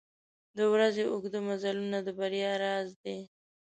• د ورځې اوږده مزلونه د بریا راز دی.